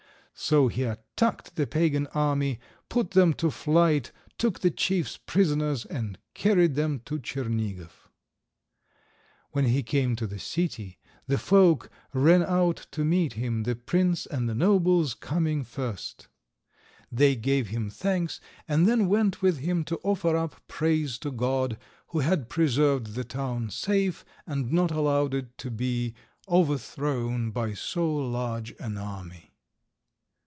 So he attacked the pagan army, put them to flight, took the chiefs prisoners, and carried them to Tschernigof. When he came to the city the folk ran out to meet him, the prince and the nobles coming first. They gave him thanks, and then went with him to offer up praise to God, who had preserved the town safe, and not allowed it to be overthrown by so large an army.